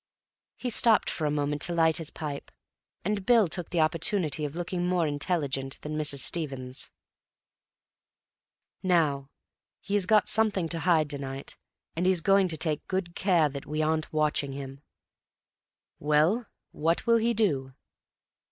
He stopped for a moment to light his pipe, and Bill took the opportunity of looking more intelligent than Mrs. Stevens. "Now, he has got something to hide to night, and he's going to take good care that we aren't watching him. Well, what will he do?"